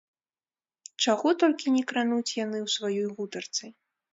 Чаго толькі не крануць яны ў сваёй гутарцы?